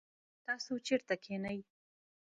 تاسو چیرته کښېنئ؟